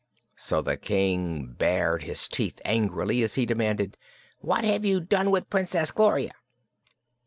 So the King bared his teeth angrily as he demanded: "What have you done with Princess Gloria?"